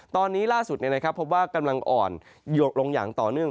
ตอนนี้ล่าสุดเนี่ยนะครับพบว่ากำลังอ่อนลงอย่างต่อหนึ่ง